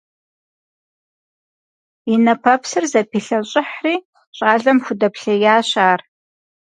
И нэпэпсыр зэпилъэщӀыхьри, щӀалэм худэплъеящ ар.